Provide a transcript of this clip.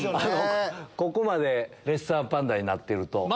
ここまでレッサーパンダになってると。